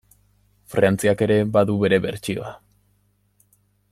Frantziak ere badu bere bertsioa.